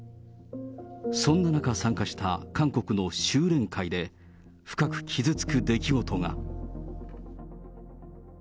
そんな中、参加した韓国の修錬会で、深く傷つく出来事が。